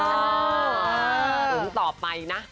ถึงต่อไปนะ